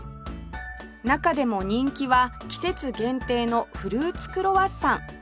中でも人気は季節限定のフルーツクロワッサン